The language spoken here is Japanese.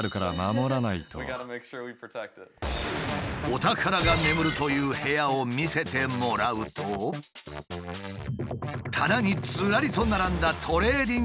お宝が眠るという部屋を見せてもらうと棚にずらりと並んだトレーディングカード。